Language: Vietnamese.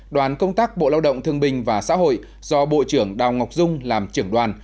đoàn công tác bộ lao động thương bình và xã hội do bộ trưởng đào ngọc dung làm trưởng đoàn